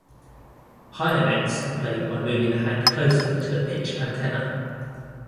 Higher notes are played by moving the hand closer to the pitch antenna.